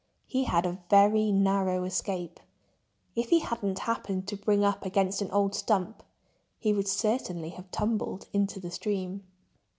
He had a very narrow escape. If he hadn't happened to bring up against an old stump he would certainly have tumbled into the stream.